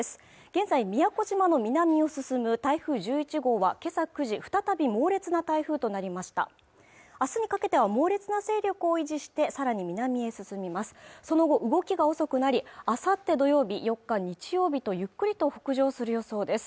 現在宮古島の南を進む台風１１号はけさ９時再び猛烈な台風となりました明日にかけては猛烈な勢力を維持してさらに南へ進みますその後動きが遅くなりあさって土曜日４日日曜日とゆっくりと北上する予想です